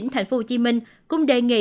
tp hcm cũng đề nghị